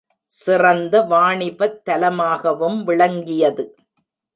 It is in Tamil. சிறந்த வாணிபத் தலமாகவும் விளங்கியது.